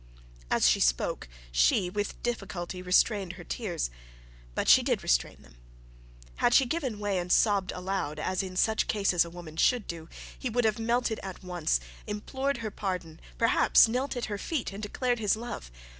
As she spoke she with difficulty restrained her tears; but she did restrain them. Had she given way and sobbed about, as in such cases a woman should do, he would have melted at once, implored her pardon, perhaps knelt at her feet and declared his love.